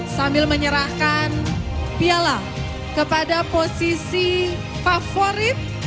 sambil menyerahkan piala kepada posisi favorit